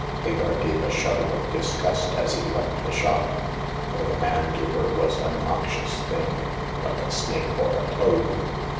Hagar gave a shudder of disgust as he left the shop ; for the man to her was a noxious thing, like a snake or a toad.